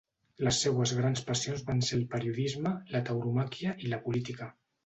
Les seues grans passions van ser el periodisme, la tauromàquia i la política.